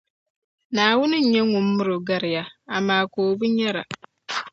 Naawuni n-nyɛ ŋun miri o n-gari ya, amaa! Ka yi bi nyara.